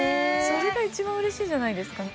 それが一番嬉しいじゃないですか